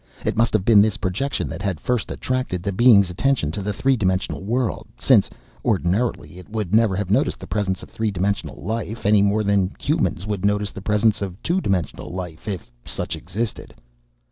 It must have been this projection that had first attracted the Being's attention to the three dimensional world, since, ordinarily, It would never have noticed the presence of three dimensional life, any more than humans would notice the presence of two dimensional life if such existed!